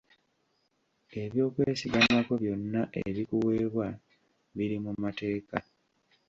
Eby'okwesigamako byonna ebikuweebwa biri mu mateeka.